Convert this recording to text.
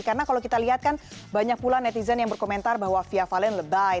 karena kalau kita lihat kan banyak pula netizen yang berkomentar bahwa via valen ledai